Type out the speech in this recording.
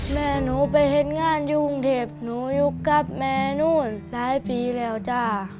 แม่หนูไปเห็นงานอยู่กรุงเทพหนูอยู่กับแม่นู้นหลายปีแล้วจ้า